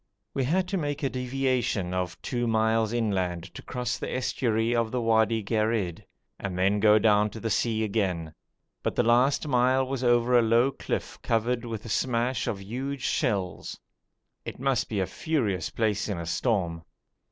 We had to make a deviation of two miles inland to cross the estuary of the Wadi Gherid, and then go down to the sea again, but the last mile was over a low cliff covered with a smash of huge shells. It must be a furious place in a storm.